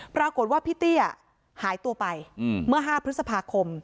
ปรากฏว่าพี่เตี้ยหายตัวไปเมื่อ๕พฤษภาคม